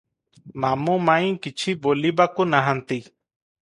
ମାମୁ ମାଇଁ କିଛି ବୋଲିବାକୁ ନାହାନ୍ତି ।